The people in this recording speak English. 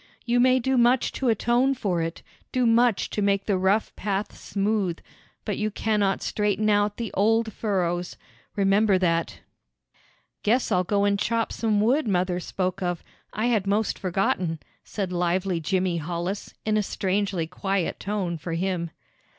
You may do much to atone for it, do much to make the rough path smooth, but you cannot straighten out the old furrows; remember that." "Guess I'll go and chop some wood mother spoke of. I had most forgotten," said lively Jimmy Hollis, in a strangely quiet tone for him.